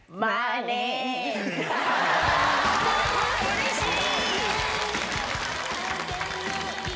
うれしい！